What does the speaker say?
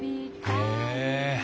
へえ。